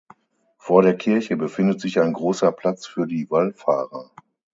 Vor der Kirche befindet sich ein großer Platz für die Wallfahrer.